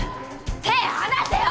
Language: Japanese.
手離せよ！